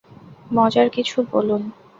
মজার কিছু বলুন।